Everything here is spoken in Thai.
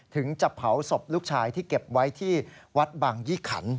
ถึงจะเผาศพลูกชายที่เก็บไว้ที่วัดบางยี่ขัน